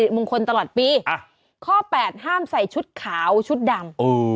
มงคลตลอดปีข้อแปดห้ามใส่ชุดขาวชุดดำ